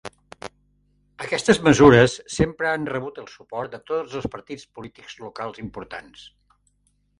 Aquestes mesures sempre han rebut el suport de tots els partits polítics locals importants.